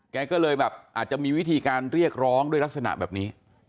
แกก็เลยแบบอาจจะมีวิธีการเรียกร้องด้วยลักษณะแบบนี้